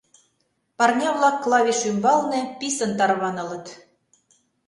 Парня-влак клавиш ӱмбалне писын тарванылыт.